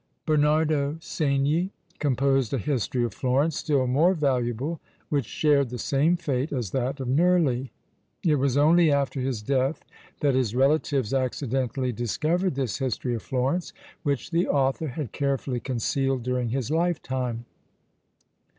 Bernardo Segni composed a history of Florence still more valuable, which shared the same fate as that of Nerli. It was only after his death that his relatives accidentally discovered this history of Florence, which the author had carefully concealed during his lifetime.